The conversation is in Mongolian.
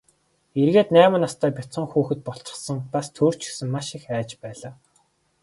Эргээд найман настай бяцхан хүүхэд болчихсон, бас төөрчхөөд маш их айж байлаа.